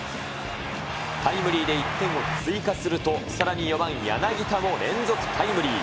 タイムリーで１点を追加すると、さらに４番柳田も連続タイムリー。